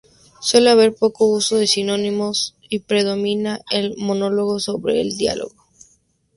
Suele haber poco uso de sinónimos, y predomina el monólogo sobre el diálogo.